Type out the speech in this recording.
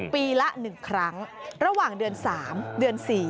ปีละ๑ครั้งระหว่างเดือน๓เดือน๔